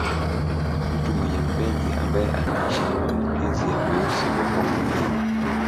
Mtu mwenye mpenzi ambaye anaishi na maambukizi ya virusi vya homa ya ini